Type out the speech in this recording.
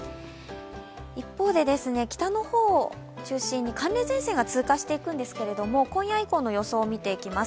一方で、北の方、中心に寒冷前線が通過していくんですが今夜以降の予想を見ていきます。